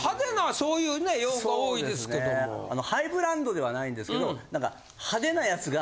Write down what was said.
そうですねあのハイブランドではないんですけど。